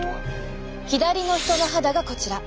左の人の肌がこちら。